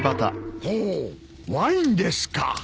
ほおワインですか。